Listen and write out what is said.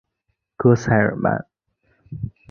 戈塞尔曼。